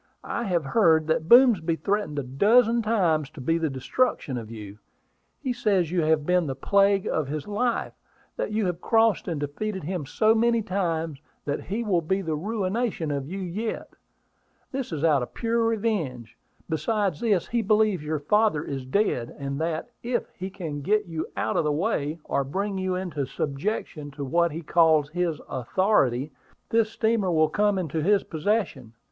I have heard that Boomsby threatened a dozen times to be the destruction of you. He says you have been the plague of his life; that you have crossed and defeated him so many times that he will be the 'ruination' of you yet. This is out of pure revenge. Besides this, he believes your father is dead, and that, if he can get you out of the way, or bring you into subjection to what he calls his authority, this steamer will come into his possession.